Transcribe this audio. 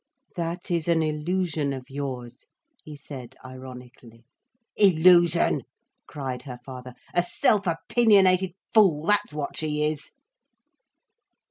"That is an illusion of yours," he said ironically. "Illusion!" cried her father. "A self opinionated fool, that's what she is."